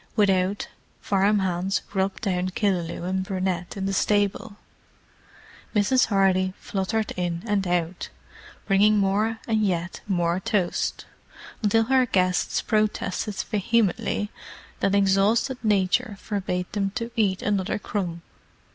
Without, farm hands rubbed down Killaloe and Brunette in the stable. Mrs. Hardy fluttered in and out, bringing more and yet more toast, until her guests protested vehemently that exhausted nature forbade them to eat another crumb.